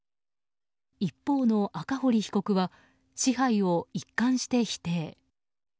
一方の赤堀被告は支配を一貫して否定。